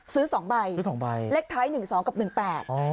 สองใบซื้อสองใบเลขท้ายหนึ่งสองกับหนึ่งแปดอ๋อ